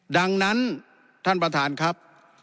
ดังนั้นท่านประธานครับ